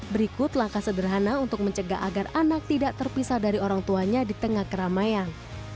berikut langkah sederhana untuk mencegah agar anak tidak terpisah dari orang tuanya di tengah keramaian